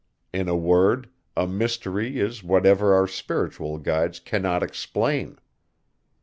In a word, a mystery is whatever our spiritual guides cannot explain.